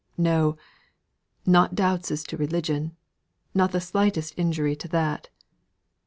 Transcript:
"No! not doubts as to religion; not the slightest injury to that."